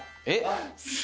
えっ？